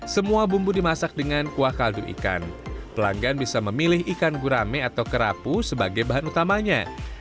semua bumbu dimasak dengan kuah kaldu ikan pelanggan bisa memilih ikan gurame atau kerapu sebagai bahan utamanya